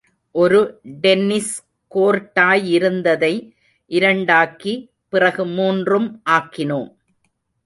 ஒரு டென்னிஸ் கோர்ட்டாயிருந்ததை, இரண்டாக்கி, பிறகு மூன்றும் ஆக்கினோம்.